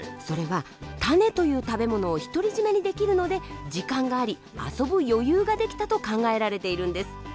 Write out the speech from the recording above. それは種という食べ物を独り占めにできるので時間があり遊ぶ余裕ができたと考えられているんです。